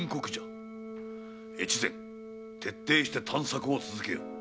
越前徹底して探索を続けよ。